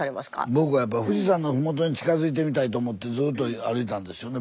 僕はやっぱ富士山の麓に近づいてみたいと思ってずっと歩いたんですよね